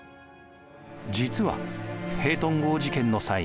実はフェートン号事件の際